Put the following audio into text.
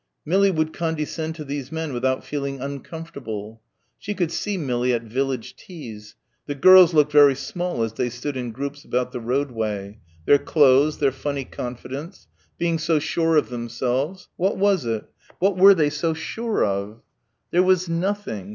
Millie would condescend to these men without feeling uncomfortable. She could see Millie at village teas.... The girls looked very small as they stood in groups about the roadway.... Their clothes ... their funny confidence ... being so sure of themselves ... what was it ... what were they so sure of? There was nothing